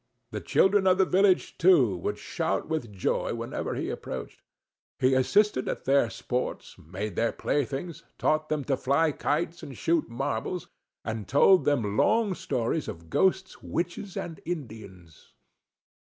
The children of the village, too, would shout with joy whenever he approached. He assisted at their sports, made their playthings, taught them to fly kites and shoot marbles, and told them long stories of ghosts, witches, and Indians.